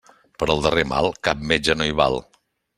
Per al darrer mal, cap metge no hi val.